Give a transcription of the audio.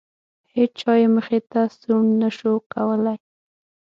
هیچا یې مخې ته سوڼ نه شو کولی.